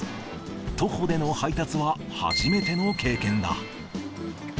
徒歩での配達は初めての経験だ。